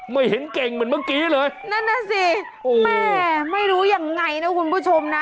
ไม่เห็นเก่งเหมือนเมื่อกี้เลยนั่นน่ะสิแม่ไม่รู้ยังไงนะคุณผู้ชมนะ